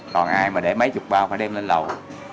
còn ai mà để mấy chục bao phải đem lên lầu